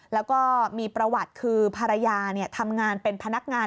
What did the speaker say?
แล้วก็มีประวัติคือภรรยาทำงานเป็นพนักงาน